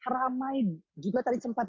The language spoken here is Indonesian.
ramai juga tadi sempat